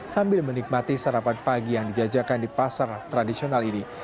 sambil menikmati sarapan pagi yang dijajakan di pasar tradisional ini